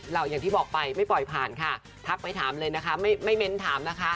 อย่างที่บอกไปไม่ปล่อยผ่านค่ะทักไปถามเลยนะคะไม่เม้นถามนะคะ